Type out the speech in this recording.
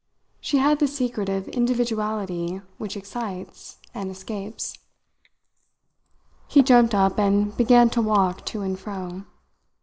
She had the secret of individuality which excites and escapes. He jumped up and began to walk to and fro.